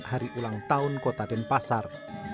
hari ulang tahun kota denpasar